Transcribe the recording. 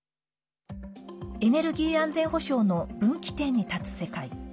エネルギー安全保障の分岐点に立つ世界。